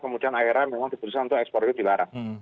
kemudian akhirnya memang diputuskan untuk ekspor itu dilarang